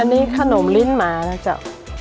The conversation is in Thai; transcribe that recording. อันนี้ขนมลิ้นหมานะเจ้า